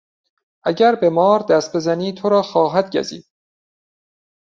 اگر به مار دست بزنی تو را خواهد گزید.